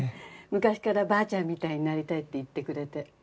昔からばあちゃんみたいになりたいって言ってくれて。